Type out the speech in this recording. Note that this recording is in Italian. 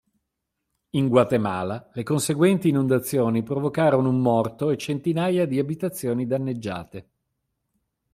In Guatemala le conseguenti inondazioni provocarono un morto e centinaia di abitazioni danneggiate.